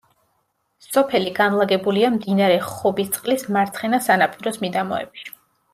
სოფელი განლაგებულია მდინარე ხობისწყლის მარცხენა სანაპიროს მიდამოებში.